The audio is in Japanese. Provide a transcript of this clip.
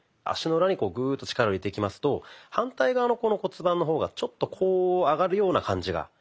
足の裏にグーッと力を入れていきますと反対側の骨盤の方がちょっとこう上がるような感じが。